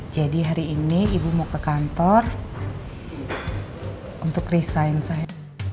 jadi hari ini ibu mau ke kantor untuk resign saya